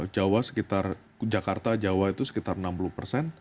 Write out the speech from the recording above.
jawa sekitar jakarta jawa itu sekitar enam puluh persen